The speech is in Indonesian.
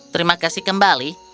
terima kasih kembali